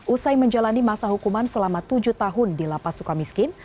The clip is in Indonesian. usai menjalani masa hukuman selama tujuh tahun di lapas suka miskin